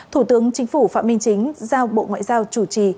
thủ tướng chính phủ phạm minh chính giao bộ ngoại giao chủ trì